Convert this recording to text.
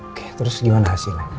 oke terus gimana hasilnya